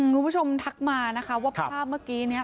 คุณผู้ชมทักมานะคะว่าภาพเมื่อกี้นี่